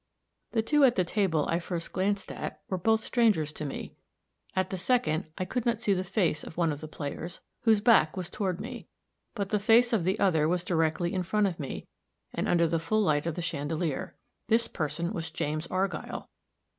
The two at the table I first glanced at, were both strangers to me; at the second, I could not see the face of one of the players, whose back was toward me; but the face of the other was directly in front of me, and under the full light of the chandelier. This person was James Argyll.